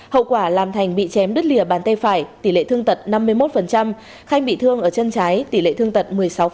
hậu quả làm thành bị chém đứt lìa bàn tay phải tỷ lệ thương tật năm mươi một khanh bị thương ở chân trái tỷ lệ thương tật một mươi sáu